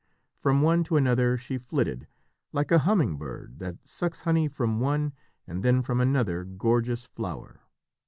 From one to another she flitted, like a humming bird that sucks honey from one and then from another gorgeous flower.